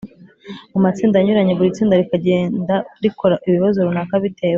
mu matsinda anyuranye buri tsinda rikagenda rikora ibibazo runaka bitewe